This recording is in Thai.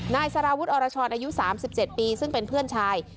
นายสารวุฒิอรชรอายุ๓๗ปีซึ่งเป็นเพื่อนชาย